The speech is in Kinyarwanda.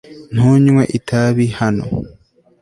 Ntunywe itabi hano